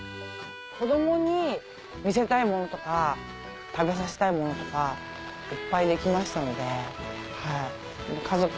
子どもに見せたいものとか食べさせたいものとかいっぱいできましたので家族で。